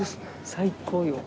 最高よ。